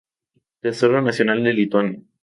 Tesoro Nacional de Lituania.